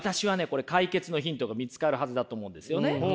これ解決のヒントが見つかるはずだと思うんですよね。